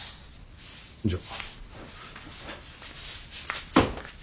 じゃあ。